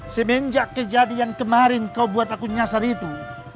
semenjak kejadian kemarin kau buat aku nyasar itu